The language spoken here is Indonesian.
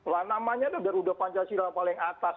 nah namanya garuda pancasila paling atas